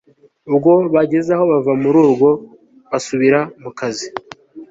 Ubwo bagezaho bava mururwo basubira mukazi